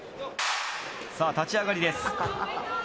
さぁ立ち上がりです。